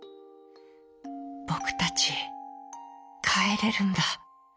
「ぼくたちかえれるんだ。